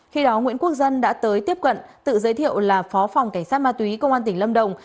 khi đó nguyễn quốc dân đã tới tiếp cận tự giới thiệu là phó phòng cảnh sát ma túy công an tỉnh lâm đồng